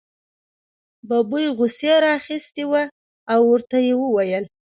ببۍ غوسې را اخیستې وه او ورته یې وویل.